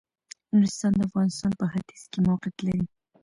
نورستان د افغانستان په ختيځ کې موقيعت لري.